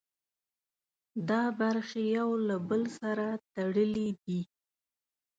دا برخې یو له بل سره تړلي دي.